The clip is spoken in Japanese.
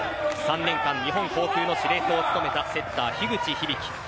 ３年間、日本航空の司令塔を務めたセッター・樋口響。